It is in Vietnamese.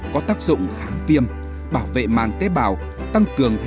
có tác dụng khả năng